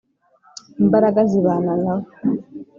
imbaraga zibane nawe.